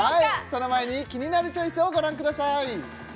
その前に「キニナルチョイス」をご覧ください